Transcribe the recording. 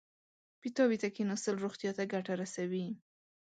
پیتاوي ته کېناستل روغتیا ته ګټه رسوي.